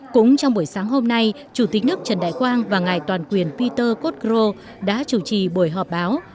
cũng trong buổi sáng hôm nay chủ tịch nước trần đại quang và ngài toàn quyền peter cotgro đã chủ trì buổi họp báo